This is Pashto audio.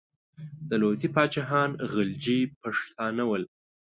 د لودي پاچاهان غلجي پښتانه ول.